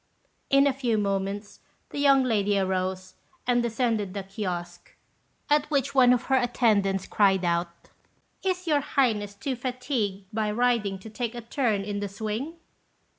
In a few moments the young lady arose and descended the kiosque; at which one of her attendants cried out, "Is your Highness too fatigued by riding to take a turn in the swing?"